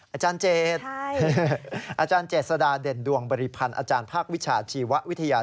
อาจารย์เจษฎาเด่นดวงบริพันธ์อาจารย์ภาควิชาชีววิทยา